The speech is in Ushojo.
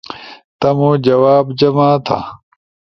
تمُو جواب جمع تھا